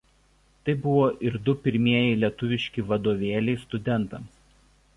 Tai buvo ir du pirmieji lietuviški vadovėliai studentams.